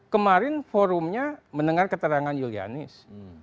kemarin forumnya mendengar keterangan yulianis